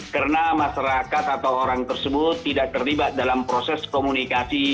karena masyarakat atau orang tersebut tidak terlibat dalam proses komunikasi